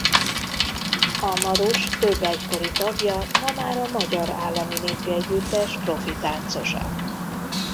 A Maros több egykori tagja ma már az Magyar Állami Népi Együttes profi táncosa.